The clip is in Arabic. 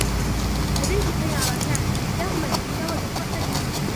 لديه سياراتان، إحداهما جديدة و الأخرى قديمة.